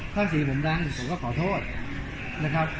ถ้าสีผมดังผมก็ขอโทษนะครับ